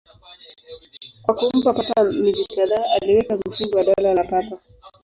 Kwa kumpa Papa miji kadhaa, aliweka msingi wa Dola la Papa.